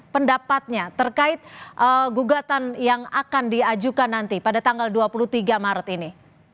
pendapatnya terkait gugatan yang akan diajukan nanti pada tanggal dua puluh tiga maret ini